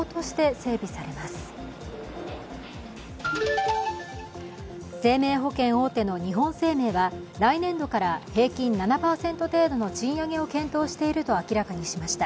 生命保険大手の日本生命は、来年度から平均７％程度の賃上げを検討していると明らかにしました。